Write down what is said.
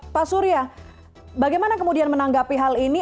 pak surya bagaimana kemudian menanggapi hal ini